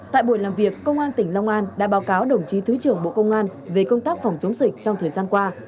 tại buổi làm việc công an tỉnh long an đã báo cáo đồng chí thứ trưởng bộ công an về công tác phòng chống dịch trong thời gian qua